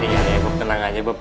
iya iya bob tenang aja bob